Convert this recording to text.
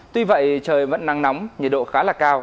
tuy vậy trời vẫn nắng nóng nhiệt độ khá là cao